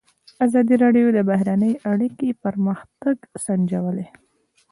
ازادي راډیو د بهرنۍ اړیکې پرمختګ سنجولی.